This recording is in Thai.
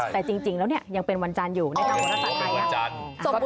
แต่จริงแล้วเนี่ยยังเป็นวันจันทร์อยู่นะคะโหรศาสตร์ไทย